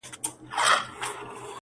خو بس دا ستا تصوير به كور وران كړو~